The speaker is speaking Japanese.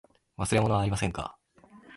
忘れ物はありませんか。